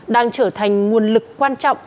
đang trở thành nguồn lực quan trọng